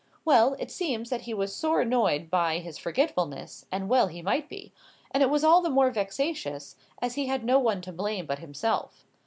Well, it seems that he was sore annoyed by his forgetfulness, and well he might be. And it was all the more vexatious, as he had no one to blame but himself.